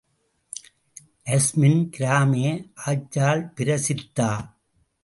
Azmin கிராமே ஆச்சாள் Prasitha.